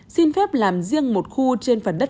xin phép làm riêng một khu trên phần đất